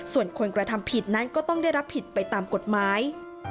ส่วนคนกระทำผิดนั้นก็ต้องได้รับผิดไปตามกฎหมาย